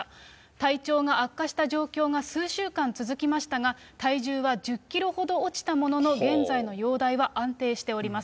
体調が悪化した状況が数週間続きましたが、体重は１０キロほど落ちたものの、現在の容体は安定しております。